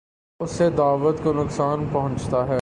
اس سے دعوت کو نقصان پہنچتا ہے۔